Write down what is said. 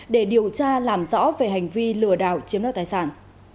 để điều tra làm rõ về hành vi lừa đảo chiếm đoạt tài sản